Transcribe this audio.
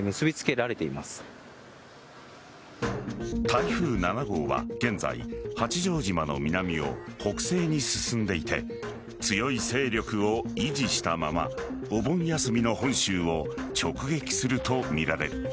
台風７号は現在、八丈島の南を北西に進んでいて強い勢力を維持したままお盆休みの本州を直撃するとみられる。